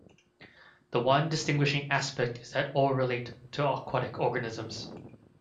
The one distinguishing aspect is that all relate to aquatic organisms.